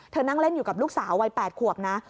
นั่งเล่นอยู่กับลูกสาววัย๘ขวบนะ